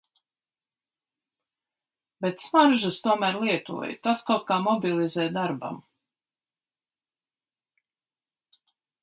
Bet smaržas tomēr lietoju - tas kaut kā mobilizē darbam.